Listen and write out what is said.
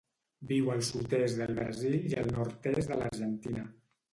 Viu al sud-est del Brasil i el nord-est de l'Argentina.